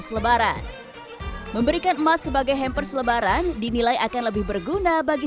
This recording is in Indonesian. selebaran memberikan emas sebagai hamper selebaran dinilai akan lebih berguna bagi